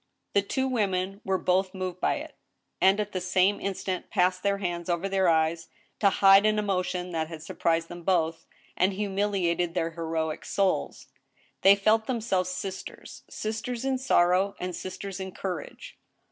The two women were both moved by it, and at the same instant passed their hands over their eyes to hide an emotion that had sur prised them both, and humiliated their heroic souls. They felt themselves sisters — sisters in sorrow and sisters in courage.